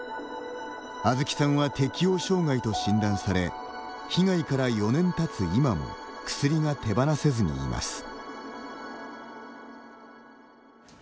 あずきさんは適応障害と診断され被害から４年たつ今も薬が手放せずにいます。